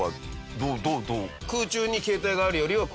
空中に携帯があるよりはここに。